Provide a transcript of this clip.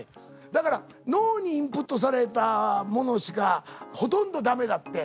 だから脳にインプットされたものしかほとんど駄目だって。